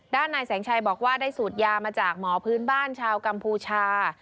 นายแสงชัยบอกว่าได้สูดยามาจากหมอพื้นบ้านชาวกัมพูชา